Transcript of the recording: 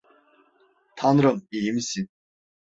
Tanrım, iyi misin?